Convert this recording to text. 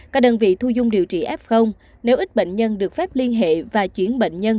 các đơn vị thu dung điều trị f nếu ít bệnh nhân được phép liên hệ và chuyển bệnh nhân